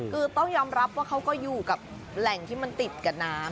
คือต้องยอมรับว่าเขาก็อยู่กับแหล่งที่มันติดกับน้ำ